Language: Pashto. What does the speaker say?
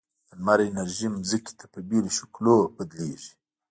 د لمر انرژي ځمکې ته په بېلو شکلونو بدلیږي.